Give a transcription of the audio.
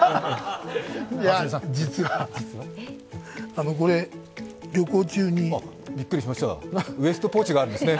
実はこれ、旅行中にびっくりしましたウエストポーチがあるんですね。